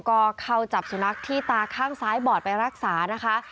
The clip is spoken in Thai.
ก็เข้าจับสุนัขที่ตาข้างซ้ายบอดไปรักษานะคะ